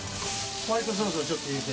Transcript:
ホワイトソースをちょっと入れて。